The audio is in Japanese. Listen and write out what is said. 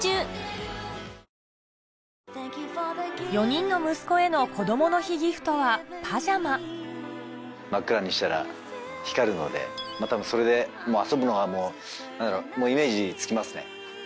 ４人の息子へのこどもの日ギフトはパジャマ真っ暗にしたら光るので多分それで遊ぶのがもうイメージつきますね。